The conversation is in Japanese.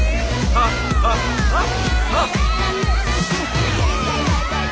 ハッハッハッ。